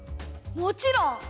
もちろん！